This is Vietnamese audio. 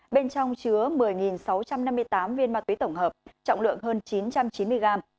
bên trong chứa một mươi sáu trăm năm mươi tám viên ma túy tổng hợp trọng lượng hơn chín trăm chín mươi gram